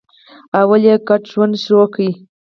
لومړی یې ګډ ژوند پیل کړ.